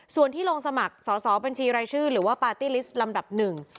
ส่วนที่ลงสมัครสอสอบัญชีรายชื่อหรือว่าปาร์ตี้ลิสต์ลำดับหนึ่ง